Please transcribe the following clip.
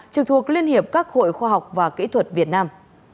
trực thuộc liên hiệp các hội khoa học và kỹ thuật việt nam